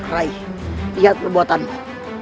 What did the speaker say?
rai lihat perbuatanmu